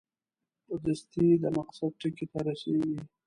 په دستي د مقصد ټکي ته رسېږي.